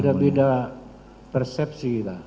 beda beda persepsi lah